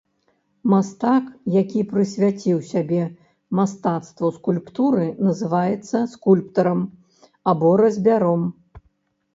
Мастак, які прысвяціў сябе мастацтву скульптуры, называецца скульптарам або разьбяром.